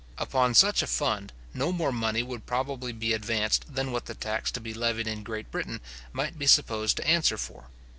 Upon such a fund, no more money would probably be advanced than what the tax to be levied in Great Britain might be supposed to answer for.